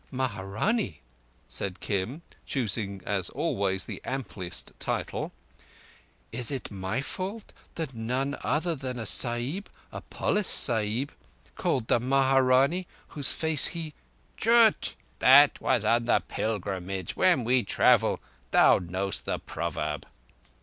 "Maharanee," said Kim, choosing as always the amplest title, "is it my fault that none other than a Sahib—a polis sahib—called the Maharanee whose face he—" "Chutt! That was on the pilgrimage. When we travel—thou knowest the proverb."